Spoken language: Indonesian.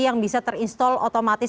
yang bisa terinstall otomatis